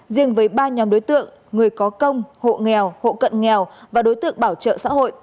riêng với ba nhóm đối tượng người có công hộ nghèo hộ cận nghèo và đối tượng bảo trợ xã hội